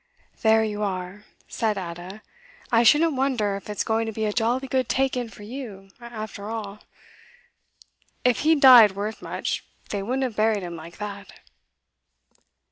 'There you are!' said Ada; 'I shouldn't wonder if it's going to be a jolly good take in for you, after all. If he'd died worth much, they wouldn't have buried him like that.